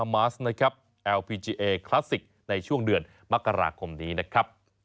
มากราคมดีนะครับ